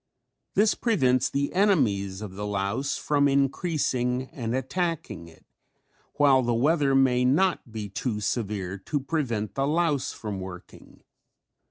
This prevents the enemies of the louse from increasing and attacking it while the weather may not be too severe to prevent the louse from working.